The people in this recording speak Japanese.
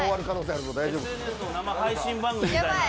ＳＮＳの生配信番組みたいな。